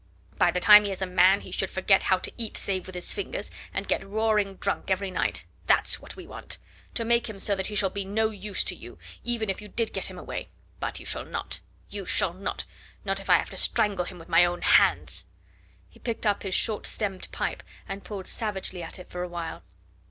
By the time he is a man he should forget how to eat save with his fingers, and get roaring drunk every night. That's what we want! to make him so that he shall be no use to you, even if you did get him away; but you shall not! You shall not, not if I have to strangle him with my own hands." He picked up his short stemmed pipe and pulled savagely at it for awhile.